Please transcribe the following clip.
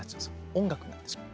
音楽になってしまう。